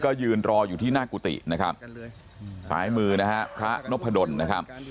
ก็ยืนรออยู่ที่หน้ากุฏินะครับซ้ายมือนะฮะพระนพดลนะครับ